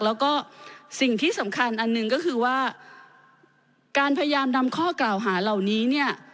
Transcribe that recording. แล้วก็สิ่งที่สำคัญอันหนึ่งก็คือว่าการพยายามนำข้อกล่าวหาเหล่านี้เนี่ย